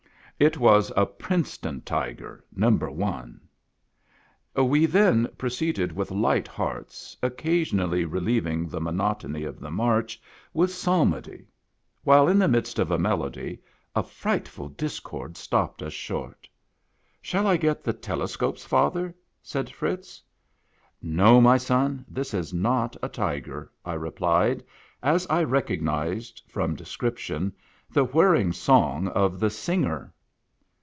It was a Princeton Tiger, No. One. We then proceeded with light hearts, occasionally relieving the monotony of the march with psalmody. While in the midst of a melody, a frightful discord stopped us short. " Shall I get the telescopes, father ?" said Fritz. " No, my son ; this is not a tiger," I replied, as I recognized, from description, the whirring song of the Singer.